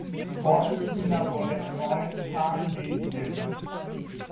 Vorsitzender wurde erneut Carl Legien.